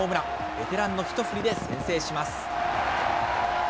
ベテランの一振りで先制します。